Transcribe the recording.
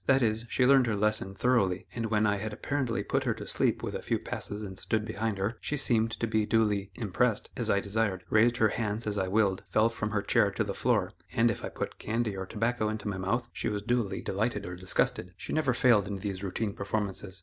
That is, she learned her lesson thoroughly, and when I had apparently put her to sleep with a few passes and stood behind her, she seemed to be duly "impressed" as I desired; raised her hands as I willed; fell from her chair to the floor; and if I put candy or tobacco into my mouth, she was duly delighted or disgusted. She never failed in these routine performances.